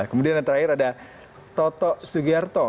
kemudian yang terakhir ada toto sugiarto